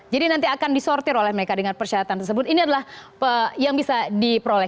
nanti akan disortir oleh mereka dengan persyaratan tersebut ini adalah yang bisa diperoleh